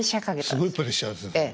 すごいプレッシャーですよ。